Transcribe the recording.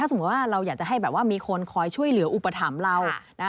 สมมุติว่าเราอยากจะให้แบบว่ามีคนคอยช่วยเหลืออุปถัมภ์เรานะ